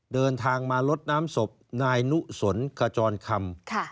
เดินทางมาลดน้ำศพนายนุสนขจรคำ